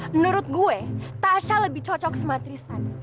menurut gue tasha lebih cocok sama tristan